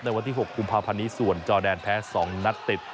วันที่๖กุมภาพันธ์นี้ส่วนจอแดนแพ้๒นัดติด